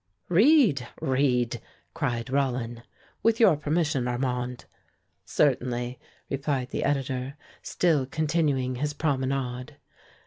"Read! read!" cried Rollin. "With your permission, Armand?" "Certainly," replied the editor, still continuing his promenade.